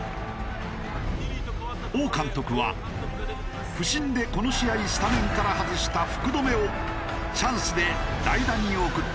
王監督は不振でこの試合スタメンから外した福留をチャンスで代打に送った。